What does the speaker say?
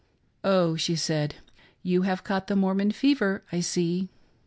" Oh," she said, " You have caught the Mormon fever, I see."